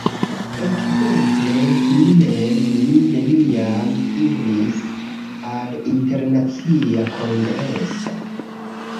Ekzemple, mi mem, mi neniam iris al internacia kongreso.